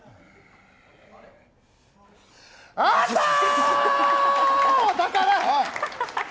あったー！